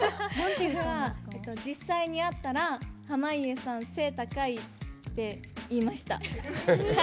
実際に会ったら濱家さん、背高いって言いました。